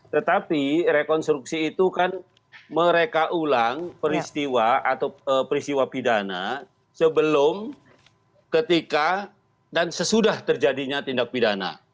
tetapi rekonstruksi itu kan mereka ulang peristiwa atau peristiwa pidana sebelum ketika dan sesudah terjadinya tindak pidana